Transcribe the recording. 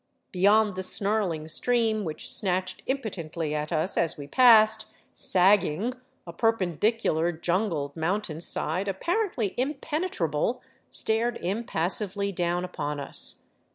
Beyond the snarling stream, which snatched impotently at us as we passed, sagging, a perpendicular jungled mountainside, apparently impenetrable, stared impassively down upon us.